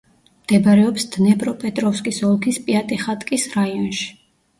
მდებარეობს დნეპროპეტროვსკის ოლქის პიატიხატკის რაიონში.